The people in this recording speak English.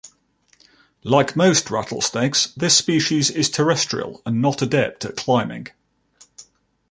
Like most rattlesnakes, this species is terrestrial and not adept at climbing.